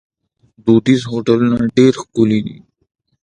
دودیز هوټلونه ډیر ښکلي دي.